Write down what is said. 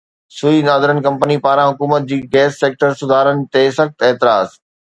سوئي northern company پاران حڪومت جي گيس سيڪٽر سڌارن تي سخت اعتراض